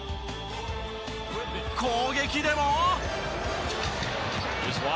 攻撃でも。